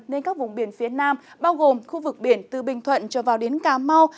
nên các vùng biển phía nam bao gồm khu vực biển từ bình thuận trở vào đến cà mau